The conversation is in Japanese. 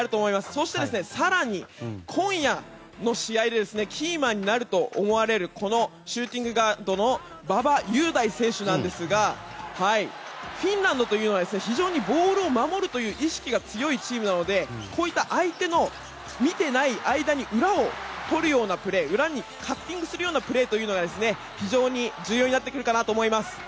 そして、更に今夜の試合でキーマンになると思われるこのシューティングガードの馬場雄大選手ですがフィンランドというのは非常にボールを守る意識が強いチームなので相手の見ていない間に裏をとるようなプレー裏にカッティングするようなプレーが非常に重要になってくると思います。